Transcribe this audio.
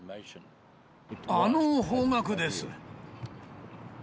あの方角です。